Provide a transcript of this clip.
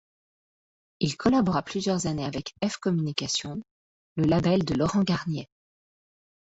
Il collabora plusieurs années avec F Communications, le label de Laurent Garnier.